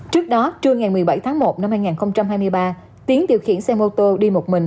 trước đó trưa ngày một mươi bảy tháng một năm hai nghìn hai mươi ba tiến điều khiển xe mô tô đi một mình